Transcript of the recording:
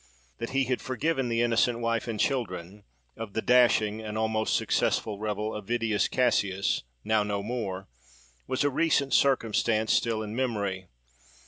That he had "forgiven" the innocent wife and children of the dashing and almost successful rebel Avidius Cassius, now no more, was a recent circumstance still in memory.